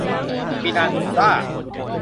ฟินันซ่า